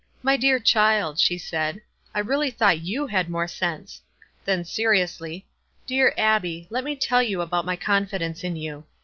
"My dear child," she said, "I really thought you had more sense." Then seriously, "Dear Abbie, let me tell you about my confidence in you.